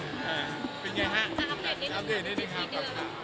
เป็นยังไงครับ